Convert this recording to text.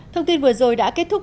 thông tin vừa rồi đã kết thúc